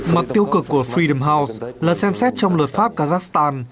mặc tiêu cực của freedom house là xem xét trong luật pháp kazakhstan